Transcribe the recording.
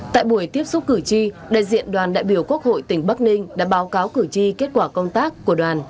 tại buổi tiếp xúc cử tri đại diện đoàn đại biểu quốc hội tỉnh bắc ninh đã báo cáo cử tri kết quả công tác của đoàn